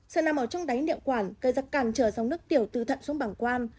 sởi nằm ở trong đáy niệu quản gây ra càn trở dòng nước tiểu từ thận xuống bảng quang